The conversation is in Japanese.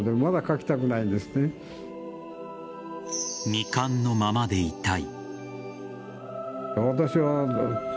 未完のままでいたい。